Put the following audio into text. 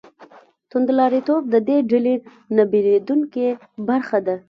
توندلاریتوب د دې ډلې نه بېلېدونکې برخه ده.